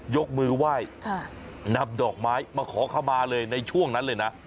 ยกมือไหว้นำดอกไม้มาขอขมาเลยในช่วงนั้นเลยนะ